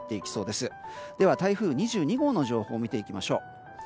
では台風２２号の情報を見ていきましょう。